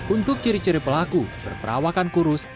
untuk ciri ciri pelaku berperawakan kurus